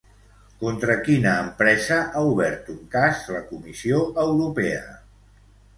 Contra quina empresa ha obert un cas la Comissió Europea?